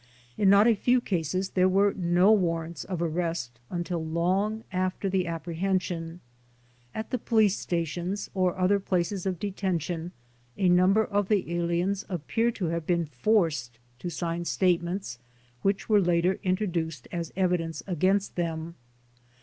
In not a few cases there were no warrants of arrest until long after the apprehension. At the police stations or other places of detention, a number of the aliens appear to have been forced to sign statements which were later introduced as evidence against them.